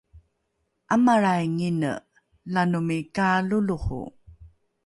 ’amalraingine lanomi kaaloloho